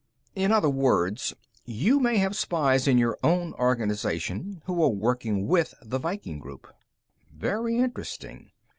"In other words, you may have spies in your own organization who are working with the Viking group. Very interesting.